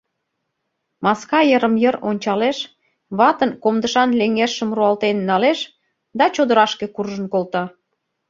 Маска йырым-йыр ончалеш, ватын комдышан леҥежшым руалтен налеш да чодырашке куржын колта.